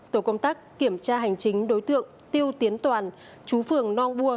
tổ công tác kiểm tra hành chính đối tượng tiêu tiến toàn chú phường nong bua